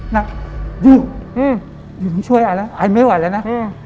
นั่งอยู่อยู่ช่วยอ่ะอ่ะไม่ว่าแล้วนะ